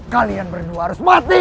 kalian berdua harus mati